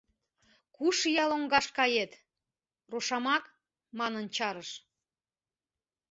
— Куш ия лоҥгаш кает, рошамак! — манын чарыш.